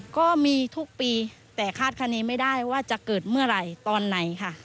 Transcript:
ก็มีทุกปีแต่คาดคณีไม่ได้ว่าจะเกิดเมื่อไหร่ตอนไหนค่ะ